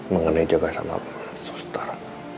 mengenai jaga sama suster